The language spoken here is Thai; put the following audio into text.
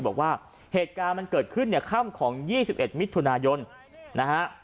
บอกว่าเหตุการณ์มันเกิดขึ้นเนี่ยค่ำของ๒๑มิถุนายนนะฮะ